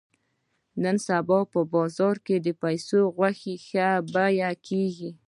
نن سبا په بازار کې د پسه غوښه ښه بیه کېږي.